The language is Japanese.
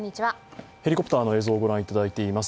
ヘリコプターの映像をご覧いただいています。